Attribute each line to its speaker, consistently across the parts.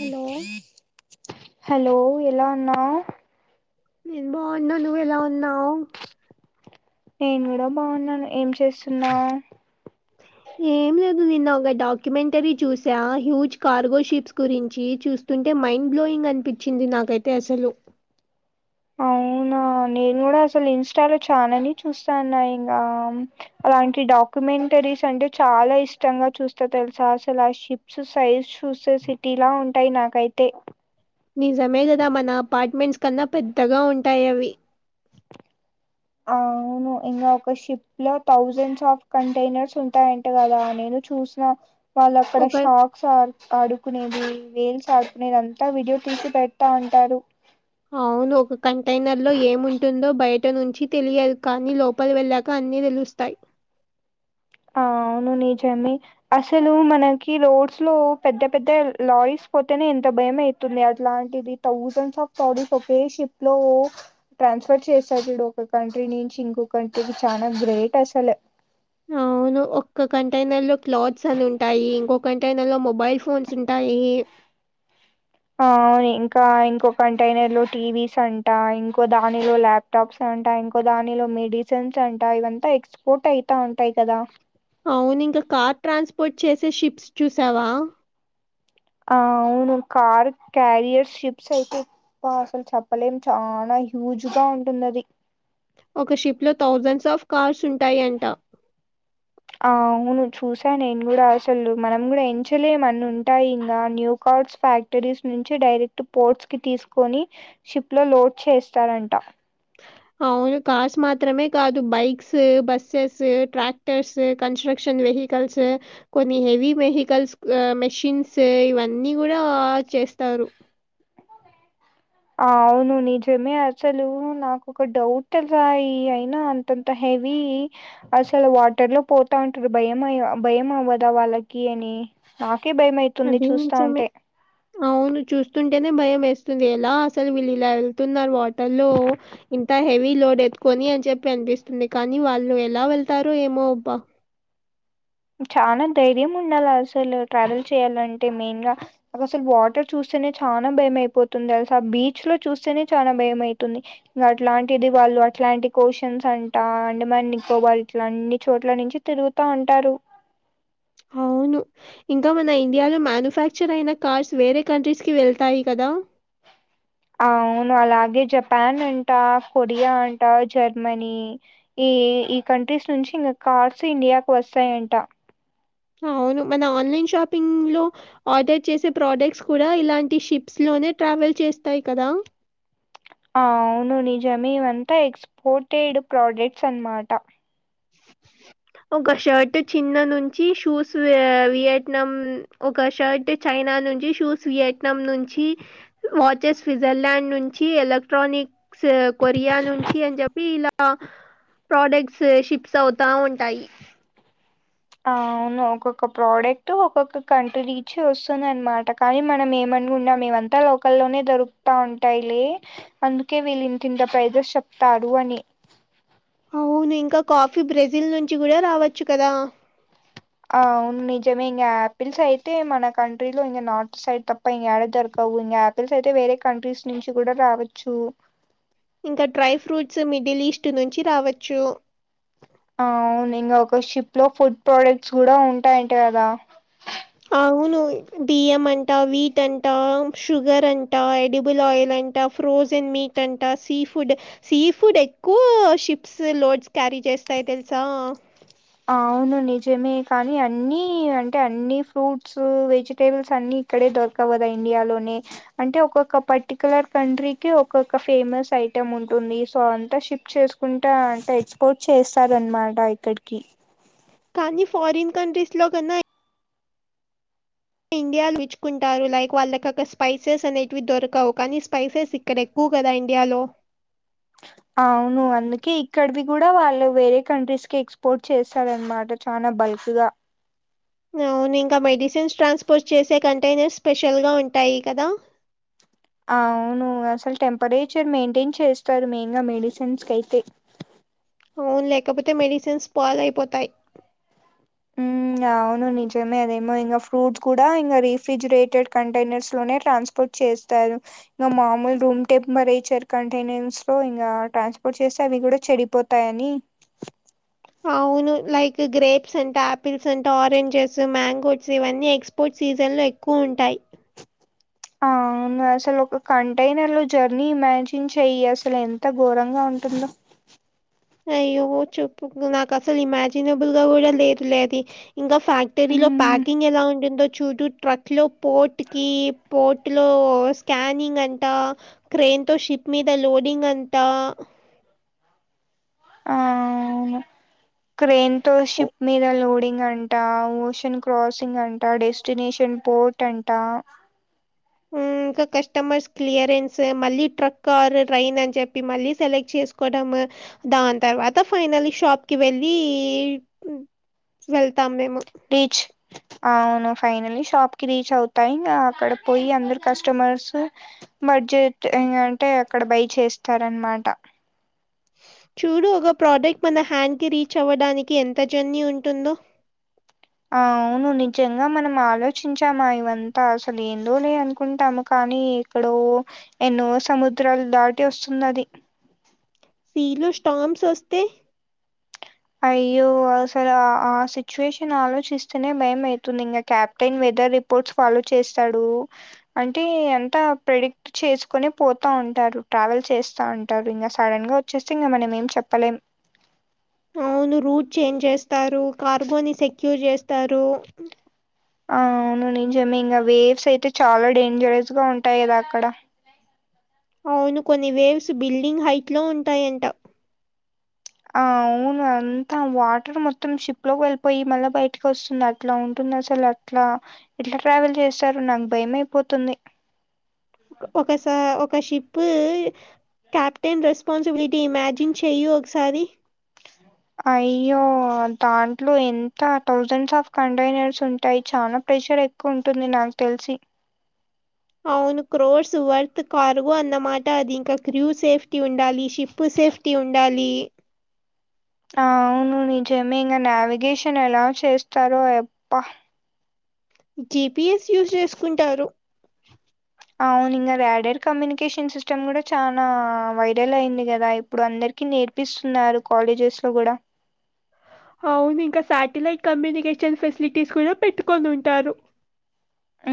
Speaker 1: Hello
Speaker 2: hello ఎలా ఉన్నావ్
Speaker 1: నేను బాగున్నా నువ్వెలా ఉన్నావ్
Speaker 2: నేను కూడా బానే ఉన్నా ఏం చేస్తున్నావ్
Speaker 1: ఏం లేదు నిన్న ఒక డాక్యుమెంటరీ చూసా హ్యూజ్ కార్గో షిప్స్ గురించి చూ స్తుతుంటే మైండ్ బ్లోయింగ్ అనిపిచ్చింది నాకైతే అసలు
Speaker 2: ఆ నేను కూడా అసలు ఇన్స్టాలో చనానే చూస్తావున్నా ఇంగా అలాంటి డాక్యుమెంటరీస్ అంటే చాలా ఇష్టంగా చూస్తా తెలుసా అసలు ఆ షి సూ సైజ్ చూస్తే సిటీలా ఉంటాయి నాకైతే
Speaker 1: నిజమే కదా మన అపార్ట్మెంట్స్ కన్నా పెద్దగా ఉంటాయి అవి
Speaker 2: అవును ఇంగ ఒక షిప్ లో థౌజండ్స్ ఆఫ్ కంటైనర్స్ ఉంటాయంట కదా నేను చూసి నా వాళ్ళు అక్కడ
Speaker 1: ఒక
Speaker 2: షాక్ షార్స్ ఆడుకునేది వేల్స్ ఆడుకునేదంతా వీడియో తీసి పెట్టాతా ఉంటారు
Speaker 1: అవును ఒక కంటైనర్ లో ఏముంటుందో బయట నుంచి తెలియదు కానీ లో పల వెళ్ళాక అన్ని తెలుస్తాయి
Speaker 2: ఆ అవును నిజమే అసలు మనకి రోడ్స్ లో పెద్ద పెద్ద లారీస్ పోతేనే ఎంత భయం అయితుంది అట్లాంటిది థౌసండ్ ఆఫ్ సారిస్ వకే షిప్ లో ట్రాన్స్ఫర్ చేసళ్ళు ఒక కంట్రీ నుంచి ఇంకొక కంట్రీకి చాలా గ్రేట్ అసలు
Speaker 1: అవు ను ఒక్క కంటైనర్ లో క్లాత్స్ అని ఉంటాయి ఇంకో కంటైనర్ లో మొబైల్ ఫోన్స్ ఉంటాయి
Speaker 2: ఆ ఇంకా ఇంకో కంటైనర్ లో టీవీస్ అంటా ఇంకో దానిలో ల్యాప్ టాప్స్ అంటా ఇంకో దానిలో మెడిసన్స్ అంటా ఇదంతా ఎక్స్పోర్ట్ అయితా ఉంటాయి కదా
Speaker 1: అవును ఇంక కార్ ట్రాన్స్పోర్ట్ చేసే షిప్స్ చూసావా
Speaker 2: ఆ అవును కార్ క్యారియర్ షిప్స్ అయితే పా అసలు చెప్పలేం చాలా హ్యూజ్గా ఉంటుంది అది
Speaker 1: ఒక షిప్ లో థౌజండ్స్ ఆఫ్ కార్స్ ఉంటాయి అంటా
Speaker 2: ఆ అవును చూసా నేను కూడా అసలు మనం కూడా ఎంచలేమ్ అన్నీ ఉంటాయి న్యూ కార్ట్స్ ఫ్యాక్ క్టరీస్ నుంచి డైరెక్ట్ పోర్ట్స్ కి తీసుకొని షిప్ లో లోడ్ చేస్తారంట
Speaker 1: అవును కార్స్ మాత్రమే కాదు bikes buses tractors construction vehicles కొన్ని హెవీ వెహికల్స్ మెషిన్స్ ఇవన్నీ కూడా చేస్తారు
Speaker 2: ఆ అవును నిజమే అసలు నాకొక డౌట్ రాయి అయినా అం అంత హెవీ అసలు వాటర్ లో పోతా ఉంటరు భయమయ్య భయం అవ్వదా వాళ్ళకి అని నాకే భయమవుతుంది
Speaker 1: అది నిజమే అవును చూస్తుంటేనే భయం ఏస్తుంది ఎలా అసలు వీళ్ళు ఇలా ఎళ్తున్నరు వాటర్లో ఇంత హెవీ లోడ్ ఎత్తుకొని అని చెప్పి అనిపిస్తుంది కానీ వాళ్ళు ఎలా వెళ్తారు ఏమో అబ్బా
Speaker 2: చాలా ధైర్యం ఉండాల అసలు ట్రావెల్ చేయాలంటే మెయిన్ గా అ అసలు వాటర్ చూస్తేనే చానా భయం అయిపోతుంది తెల్సా ఆ బీచ్ లో చూస్తేనే చనా భయం అయితుంది ఇంకా అట్లాంటిది వాళ్ళు అట్లాంటికోశ్చన్స్ అంట అంటే మ ఇంకో వాళ్ళు ఇట్లా అన్ని చోట్ల నుంచి తిరుగుతా ఉంటరు
Speaker 1: అవును. ఇంకా మన ఇండియాలో మానుఫ్యాక్చర్ అయిన కార్స్ వేరే కంట్రీస్ కి వెళ్తాయి కదా
Speaker 2: అవును అలాగే జపాన్ అంటా కొరియా అంటా జర్మనీ ఈ ఈ కంట్రీస్ నుంచి ఇంగ కార్స్ ఇండియాకు వస్తాయంట
Speaker 1: అవును మన ఆన్లైన్ షాపింగ్ లో ఆర్డర్ చేసే ప్రోడక్ట్స్ కూడా ఇలాంటి షిప్స్ లోనే ట్రావెల్ చేస్తాయి కదా
Speaker 2: ఆ అవును నిజమేవంత ఎక్స్పోర్టెడ్ ప్రోడక్ట్స్ అనమాట
Speaker 1: ఆహా ఒక షర్ట్ చిన్న నుంచి షూస్ వి వియట్నాం ఒక షర్ట్ చైనా నుంచి షూస్ వియట్నాం నుంచి వాచెస్ స్విట్జర్లాండ్ నుంచి ఎలక్ట్రానిక్ కొరియా నుంచి అని చెప్పి ఇలా ప్రొడక్ట్స్ షిప్ అవుతా ఉంటాయి
Speaker 2: అవును ఒక్కొక్క ప్రోడక్ట్ ఒక్కొక్క కంట్రీ నుంచి వస్తుంది అనమాట కానీ మనం ఏమనుకున్నాం ఏమంతా లోకల్లోనే దొరుకుతా ఉంటాయిలే అందుకే వీళ్ళు ఇంతింత ప్రైజస్ చెప్తారు అని
Speaker 1: అవును ఇంకా కాఫీ బ్రెజిల్ నుంచి కూడా రావచ్చు కదా
Speaker 2: అవును నిజమే ఇంగా ఆపిల్స్ అయితే మన కంట్రీలో ఇం నార్త్ సైడ్ తప్ప ఇగా యాడదోరుకవు అయితే వేరే కంట్రీస్ నుంచి కూడా రావచ్చు
Speaker 1: ఇంకా డ్రై ఫ్రూట్స్ మిడిల్ ఈస్ట్ నుంచి రావచ్చు
Speaker 2: అవును ఇంకా ఒక షిప్ లో ఫుడ్ ప్రోడక్ట్స్ కూడా ఉంటాయంటే కదా
Speaker 1: అవును బియ్యం అంటా వీట్ అంటా షుగర్ అంటా ఎడిబుల్ ఆయిల్ అంటా ఫ్రోజన్ మీట్ అంటా సీ ఫుడ్ సీ ఫుడ్ ఎక్కువ షిప్స్ లోడ్స్ క్యారీ చేస్తాయి తెలుసా
Speaker 2: అవును నిజమే కానీ అన్ని అంటే అన్ని ఫ్రూట్స్ వెజిటేబుల్స్ అన్ని ఇక్కడే దొరకవు కదా ఇండియాలోనే అంటే ఒక్కొక్క పర్టిక్యులర్ కంట్రీకి ఒక్కొక్క ఫేమస్ ఐటెం ఉంటుంది సో అంతా షిప్పు చేసుకుంటా అంటే ఎక్స్పోర్ట్ చేస్తార అనమాట ఇక్కడికి
Speaker 1: కానీ ఫారిన్ కంట్రీస్ లో కన్నా ఇండియాలో విచ్చుకుంటారు లైక్ వాళ్ళక ఒక స్పైసెస్ అనేటివి దొరకవు కానీ స్పైసెస్ ఇక్కడ, ఎక్కువ కదా ఇండియాలో
Speaker 2: అవును, అందుకే ఇక్కడవి కూడా వాళ్ళు వేరే కంట్రీస్ కి ఎక్స్పోర్ట్ చేస్తారన్నమాట. చానా బల్క్ గా
Speaker 1: అవును ఇంకా మెడిసిన్స్ ట్రాన్స్పోర్ట్ చేసే కంటైనర్స్ స్పెషల్ గా ఉంటాయి కదా?
Speaker 2: ఆ అవును అసలు టెంపరేచర్ మెయింటైన్ చేస్తారు. మెయిన్ గా మెడిసిన్స్ క అయితే.
Speaker 1: అవును లేకపోతే మెడిసిన్స్ స్పాయిల్ అయిపోతాయి.
Speaker 2: యా, అవును నిజమే అదేమో ఇంకా ఫ్రూట్స్ కూడా ఇంగ రిఫ్రిజరేటెడ్ కంటైనర్స్ లోనే ట్రాన్సఫర్ చేస్తారు. ఇంకా మామూలు రూమ్ టెంపరేచర్ కంటైనర్స్ లో ఇంకా ట్రాన్స్ స్పోర్ట్ చేస్తే అవి కూడా చెడిపోతాయి. నఅని
Speaker 1: అవును, లైక్ గ్రేప్స్ అంట ఆపిల్స్ అంట ఆరెంజెస్, మాంగోస్ ఇవన్నీ ఎక్స్ స్పోర్ట్ సీజన్లో ఎక్కువ ఉంటాయి.
Speaker 2: అవును అసలు ఒక కంటైనర్ లో జర్నీ ఇమాజిన్ చెయ్యి అసలు ఎంత ఘోరంగా ఉంటుందో?
Speaker 1: అయ్యో చెప్పు, నాకు అసలు ఇమాజినబుల్ గా గూడా లేదు లే అది. ఇంకా ఫ్యాక్టరీలో
Speaker 2: ఉమ్
Speaker 1: ప్యాకింగ్ ఎలా ఉంటుందో చూడు. ట్రక్ లో పోర్ట్ కి పోర్టులో స్కానింగ్ అంటా క్రైన్ తో షిప్ మీద లోడింగ్ అంతా
Speaker 2: ఆ అవును క్రేన్ తో
Speaker 1: ఉ-
Speaker 2: షిప్ మీద లోడింగ్ అంట. ఓషన్ క్రాసింగ్ అంట, డెస్టినేషన్ పోర్ట్ అంట.
Speaker 1: మ్ కస్టమర్స్ క్లియరెన్స్, మళ్ళీ ట్రక్, కారు, ట్రైన్ అని చెప్పి మళ్ళీ సెలెక్ట్ చేసుకోవడం. దాని తర్వాత ఫైనలీ షాప్ కి వెళ్ళీ వెళ్తాం మేము.
Speaker 2: టీచ్ అవును ఫైనలీ షాప్ కి రీచ్ అవుతాయి. అక్కడ పోయి అందరూ కస్టమర్స్ బడ్జెట్ ఇంగ అంటే అక్కడ బై చేస్తారన్నమాట.
Speaker 1: చూడు, ఒక ప్రోడక్ట్ మన హ్యాండ్కి రీచ్ అవ్వడానికి ఎంత జర్నీ ఉంటుందో.
Speaker 2: అవును. నిజంగా మనం ఆలోచించామా ఇవంతా అసలు ఏందో లే అనుకుంటాము. కానీ ఎక్కడో ఎన్నో సముద్రాలు దాటి వస్తుంది అది.
Speaker 1: సీలో స్టార్మ్స్ వస్తే
Speaker 2: అయ్యో అసలు ఆ సిచ్యుయేషన్ ఆలోచిస్తేనే భయం అయితుంది. ఇంకా క్యాప్టెన్ వెదర్ రిపోర్ట్స్ ఫాలో చేస్తాడు. అంటే ఎంత ప్రెడిక్ట్ చేసుకుని పోతా ఉంటారు. ట్రావెల్ చేస్తా ఉంటారు. ఇంక సడన్ గా వచ్చేస్తే ఇంగ మనం ఏం చెప్పలేం.
Speaker 1: అవును రూట్ చేంజ్ చేస్తారు. కార్గో ని సెక్యూర్ చేస్తారు.
Speaker 2: అవును నిజమే ఇంకా వేవ్స్ అయితే చాలా డేంజరస్ గా ఉంటాయి కదా అక్కడ.
Speaker 1: అవును కొన్ని వేవ్స్ బిల్డింగ్ హైట్ లో ఉంటాయంట.
Speaker 2: ఆ అవును అంతా వాటర్ మొత్తం షిప్ లోకి వెళ్ళిపోయి మళ్ళీ బయటకి వస్తుంది అట్లా ఉంటుంది అసలు. ఇట్లా ఎట్లా ట్రావెల్ చేస్తారో నాకు భయం అయిపోతుంది.
Speaker 1: ఒకసారి ఒక షిప్ క్యాప్టెన్ రెస్పాన్సిబిలిటీ ఇమాజిన్ చేయ్ ఒకసారి
Speaker 2: అయ్యో దాంట్లో ఎంత థౌజండ్స్ ఆఫ్ కంటైనర్స్ ఉంటాయి చాలా ప్రెజరే. ఎక్కువ ఉంటుంది నాకు తెలిసి.
Speaker 1: అవును క్రోర్స్ వర్త్ కార్గో అన్నమాట అది ఇంకా క్రూ సేఫ్టీ ఉండాలి షిప్ సేఫ్టీ. ఉండాలి.
Speaker 2: అవును నిజమే ఇంగ నావిగేషన్ ఎలా చేస్తారో ఆయప్ప
Speaker 1: జి పి ఎస్ యూజ్ చేసుకుంటారు
Speaker 2: అవును ఇంగ రేడర్ కమ్యూనికేషన్ సిస్టమ్ గుడా చానా వైడల్ అయింది కదా ఇప్పుడందరికి నేర్ ఇస్తున్నారు కాలేజెస్ లో గుడా
Speaker 1: అవును ఇంక శాటిలైట్ కమ్యూనికేషన్ ఫెసిలిటీస్ కూడా పెట్టుకొని ఉంటారు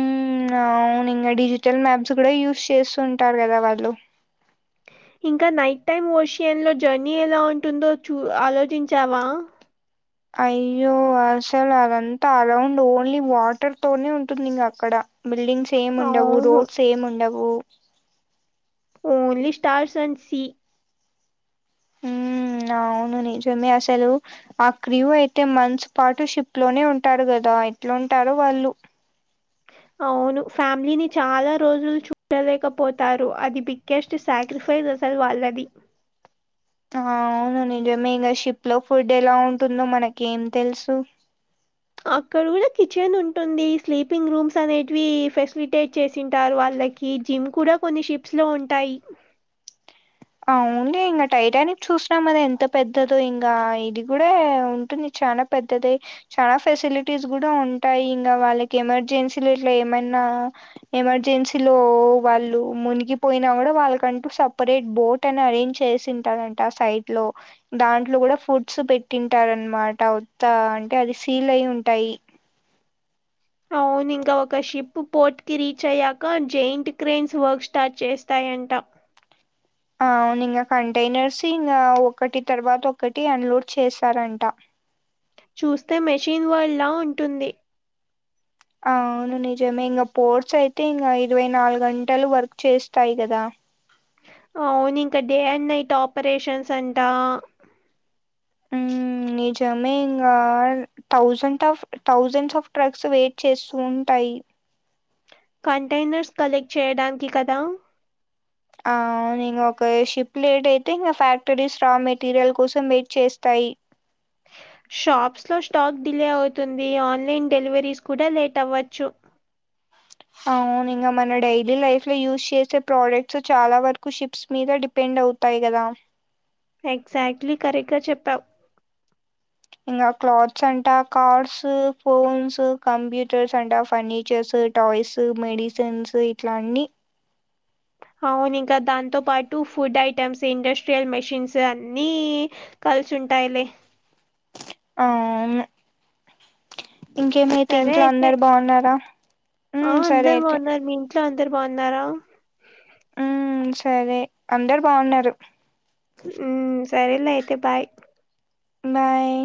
Speaker 2: ఉమ్ అవును ఇంగ డిజిటల్ మ్యాప్స్ గుడా యూస్ చేస్తుంటారు గదా వాళ్ళు
Speaker 1: ఇంకా నైట్ టైమ్ ఓషియన్ లో జర్నీ ఎలా ఉంటుందో చూ ఆలోచించావా
Speaker 2: అయ్యో అసలు అదంతా అరౌండ్ ఓన్లీ వాటర్ తోనే ఉంటుంది ఇంగ అక్కడ బిల్డింగ్స్ ఏం ఉండవు
Speaker 1: అవును.
Speaker 2: రోడ్స్ ఏం ఉండవు
Speaker 1: ఓన్లీ స్టార్స్ అండ్ సి
Speaker 2: ఉ అవును నిజమే అసలు ఆ క్రివ్ అయితే మన్స్ పాటు షిప్ లోనే ఉంటారు గదా ఎట్లుంటారో వాళ్ళు
Speaker 1: అవును ఫ్యామిలీని చాలా రోజులు చూడలేకపోతారు అది బిగ్గెస్ట్ సాక్రిఫైజ్ అసలు వాళ్ళది
Speaker 2: అవును నిజమే ఇంగ షిప్ లో ఫుడ్ ఎలా ఉంటుందో మనకి ఏం తెలుసు
Speaker 1: అక్కడ గుడా కిచెన్ ఉంటుంది స్లీపింగ్ రూమ్స్ అనేటివి ఫెసిలిటేట్ చేసింటారు వాళ్ళ కి జిమ్ కూడా కొన్ని షిప్స్ లో ఉంటాయి
Speaker 2: అవున్లే ఇంగ టైటానిక్ చూసినాం అద ఎంత పెద్దదో ఇంగ ఇది గుడా ఉంటుంది చనా పెద్దదే చా ఫెసిలిటీస్ గూడా ఉంటాయి ఇంగా వాళ్ళకి ఎమర్జెన్సీలు ఇట్ల ఏమన్నా ఎమర్జెన్సీలో వాళ్ళు మునిగిపోయినా గూడా వాళ్ళకంటూ సపరేట్ బోట్ అని అరేంజ్ చేసింటారంట సైడ్ లో దాంట్లో గుడా ఫుడ్స్ పెట్టింటారన్మాట వుత్తా అంటే అది సీల్ అయి ఉంటాయి
Speaker 1: అవును ఇంకా ఒక షిప్ పోర్ట్ కి రీచ్ అయ్యాక జయింట్ క్రెయిన్స్ వర్క్ స్టార్ట్ చేస్తాయంట
Speaker 2: అవును ఇంగ కంటైనర్స్ ఇంగా ఒకటి తర్వాత ఒకటి అన్లోడ్ చేస్తారంట
Speaker 1: చూస్తే మెషిన్ వల్డా ఉంటుంది
Speaker 2: అవును నిజమే ఇంగ పోర్ట్స్ అయితే ఇంగ ఇరవై నాలుగు గంటలు వర్క్ చేస్తాయి గదా
Speaker 1: అవును ఇంక డే అండ్ నైట్ ఆపరేషన్స్ అంట
Speaker 2: మ్మ్ నిజమే ఇంగా thousand of thousands of trucks wait చేస్తూ ఉంటాయి
Speaker 1: కంటైనర్స్ కలెక్ట్ చేయడానికి కదా
Speaker 2: అవునింగ ఒక షిప్ లేట్ అయితే ఇంగ ఫ్యాక్టరీస్ రా మెటీరియల్ కోసం వెయిట్ చేస్తాయి.
Speaker 1: షాప్స్ లో స్టాక్ డిలే అవుతుంది ఆన్లైన్ డెలివరీస్ కూడా లేట్ అవ్వచ్చు
Speaker 2: అవునింగ మన డైలీ లైఫ్ లో యూజ్ చేసే ప్రోడక్ట్స్ చాలా వరకు షిప్స్ మీద పెండ్ అవుతాయి గదా
Speaker 1: ఎగ్జాక్ట్లీ కరెక్ట్ గా చెప్పావు
Speaker 2: ఇంగా క్లాత్స్ అంట కార్స్ ఫోన్స్ కంప్యూటర్స్ అంట ఫర్నిచర్స్ టాయ్స్ మెడిసన్స్ ఇట్లన్ని
Speaker 1: అవును ఇంకా దాంతో పాటు ఫుడ్ ఐటమ్స్ ఇండస్ట్రియల్ మెషిన్స్ అన్నీ కల్స్ ఉంటాయ్ లే
Speaker 2: ఆవును ఇంకేమైతే
Speaker 1: సరే
Speaker 2: ఇంట్లో
Speaker 1: అయితే.
Speaker 2: అందరు బావున్నారా ఉమ్ సరే అయితే
Speaker 1: అందరు బావున్నారా
Speaker 2: ఉమ్ సరే అందరు బావున్నారు
Speaker 1: మ్మ్ సరేలే అయితే బాయ్
Speaker 2: బాయ్